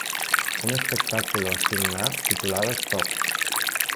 Un espectáculo similar titulado "Stop!